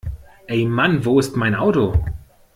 Ey Mann wo ist mein Auto?